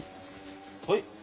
はい？